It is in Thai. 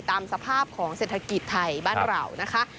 ตามสภาพของเศรษฐกิจไทยบ้านเรานะคะ